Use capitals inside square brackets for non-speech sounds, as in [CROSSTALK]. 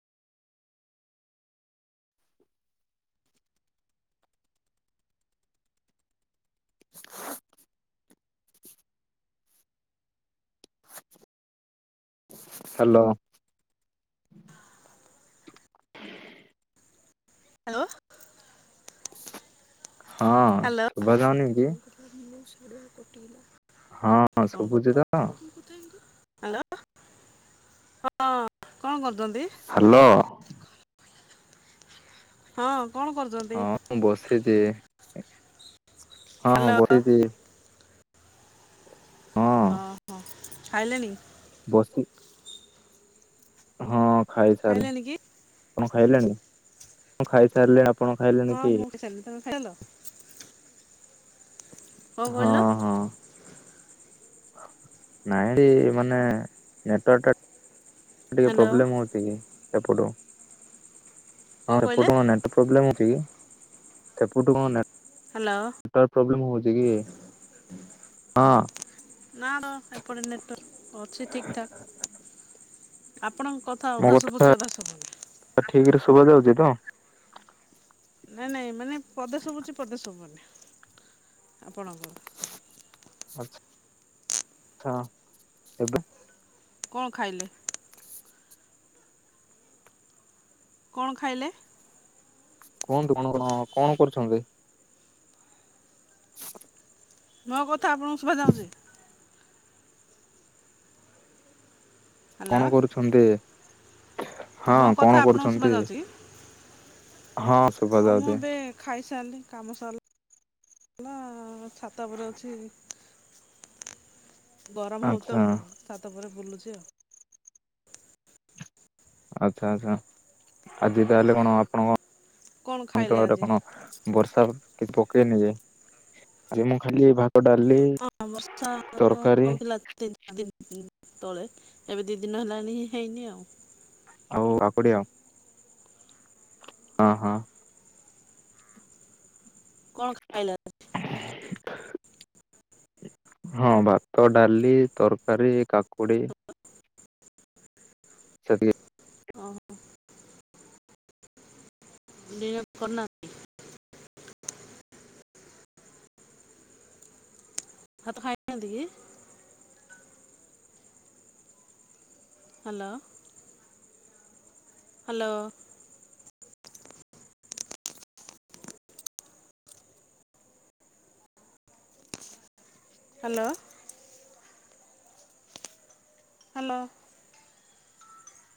ହ [UNINTELLIGIBLE] hello. [INAUDIBLE] Hello. ହଁ hello. [INAUDIBLE] ଶୁଭା ଯାଉନି କି? ହଁ ହ୍ୟାଲୋ ହଁ ଶୁଭୁଛି ତ କଣ କରୁଛନ୍ତି? ହ୍ୟାଲୋ। ହଁ କଣ କରୁଛୁ? ହଁ ମୁଁ ବସିଛି ହଁ ହଁ ହ୍ୟାଲୋ ବସିଛି। ହଁ। ଓହ ଖାଇଲଣି? ବସି ହଁ ଖାଇସାରିଲି। ଖାଇଲେଣି କି? ଆପଣ ଖାଇଲେଣି? ମୁଁ ଖାଇସାରିଲିଣି ଅପ୍ ହଁ ମୁଁ ଖାଇସାରିଲି ତମେ ଖାଇଲ? କଣ କହିଲ? ହଁ ହଁ ନାଇଁ ମାନେ ନେଟୱାରଟା ଟିକେ ହ୍ୟାଲୋ ପ୍ରୋବ୍ଲେମ ହଉଚି କି ହେପଟୁ କଣ ହଁ କହିଲେ? ହେପଟୁ ମାନେ ପ୍ରୋବ୍ଲେମ୍ ହଉଛି କି ସେପଠୁ କଣନାଁ ହ୍ୟାଲୋ। ନେଟୱାର୍କ ପ୍ପ୍ରୋବ୍ଲେମ୍ ହଉଛି କି? ହଁ। ନା ର ଏପଟେ ନେଟୱାର୍କ ଅଛି ଠିକ ଠାକ୍ ଆପଣଙ୍କ କ କଥା ଅଧାସୁବୁଚି ଅଧା ସୁବୁନି। ଆ ଠିକରେ ଶୁବା ଯାଉଛି ତ? ନାଇଁ ନାଇଁ ମାନେ ପଦେ ସୁଭୁଛି ପଦେ ଶୁଭୁନି ଆପଣଙ୍କର? ଆଛା ହଁ ଏବେ? କଣ ଖାଇଲେ? କଣ ଖାଇଲେ? କୁହନ୍ତୁ କଣ କଣ କଣ କରୁଛନ୍ତି? ହ ମୋ କଥା ଆପଣଙ୍କୁ ସୁଭା ଯାଉଚି? ହ୍ୟାଲୋ କଣ କରୁଛନ୍ତି? ମୋ ହଁ କଣ କଥା ଆପଣଙ୍କୁ ଶୁଭା କରୁଛନ୍ତି? ଯାଉଛି କି? ହଁ ଶୁଭା ହଁ ମୁଁ ଯାଉଛି ଏବେ ଖାଇସାରିଲି କାମ ସଇଲା। ହେଲା ଛାତ ଉପରେ ଅଛି ଗରମ ହଉଚିତ ଆଚ୍ଛା ବ ଛାତ ଉପରେ ବୁଲୁଛି ଆଉ। ଆଚ୍ଛା ଆଛା ଆଜି ତାହେଲେ କଣ ଆପଣଙ୍କ କ'ଣ ଖାଇଲେ ଅଞ୍ଚଳରେ ଆଜି କଣ ବର୍ଷା କିଛି ପକେଇନି ଯେ ଆଜି ମୁଁ ଖାଲି ଭା ଡାଲି ହଁ ବର୍ଷା ତରକାରୀ ହଉଥିଲା ତିନି ଚାରି ଦିନ ତଳେ ଏବେ ଦି ଦିନ ହେଲାଣି ହେଇନି ଆଉ। ଆଉ [UNINTELLIGIBLE] ହଁ ହଁ। କଣ ଖାଇଲ [UNINTELLIGIBLE] ହଁ ଭାତ ଡାଲି ତରକାରୀ କାକୁଡି [UNINTELLIGIBLE] ଟିଏ ଓ ହ। [UNINTELLIGIBLE] ଡିନ କରନା [UNINTELLIGIBLE] ହାତ ଖାଇନାନ୍ତି କି? ହାଲୋ। ହାଲୋ। ହାଲୋ। ହାଲୋ।